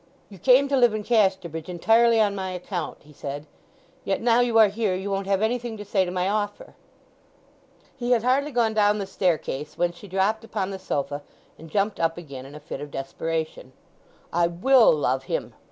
"You came to live in Casterbridge entirely on my account," he said. "Yet now you are here you won't have anything to say to my offer!" He had hardly gone down the staircase when she dropped upon the sofa and jumped up again in a fit of desperation. "I will love him!"